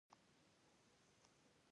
آیا کاناډا په ارکټیک کې ګټې نلري؟